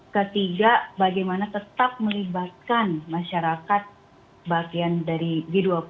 ketiga bagaimana tetap melibatkan masyarakat bagian dari g dua puluh